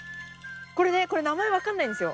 これねこれ名前分かんないんですよ。